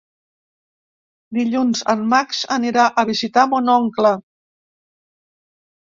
Dilluns en Max anirà a visitar mon oncle.